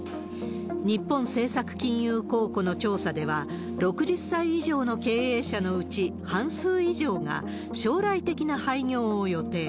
日本政策金融公庫の調査では、６０歳以上の経営者のうち半数以上が、将来的な廃業を予定。